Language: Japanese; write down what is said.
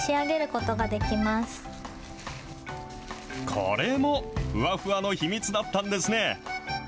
これもふわふわの秘密だったんですね。